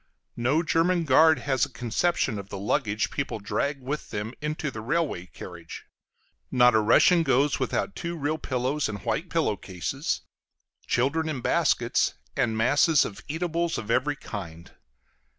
No German guard has a conception of the luggage people drag with them into the railway carriage; not a Russian goes without two real pillows in white pillow cases, children in baskets, and masses of eatables of every kind.